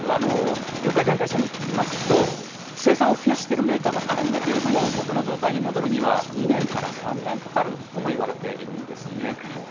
業界関係者に聞きますと、生産を増やしてるメーカーもあるんだけれども、元の状態に戻るには２年から３年かかるともいわれているんですね。